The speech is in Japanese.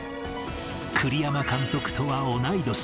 栗山監督とは同い年。